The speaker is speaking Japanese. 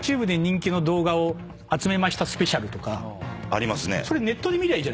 ありますね。